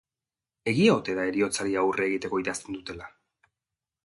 Egia ote da heriotzari aurre egiteko idazten dutela?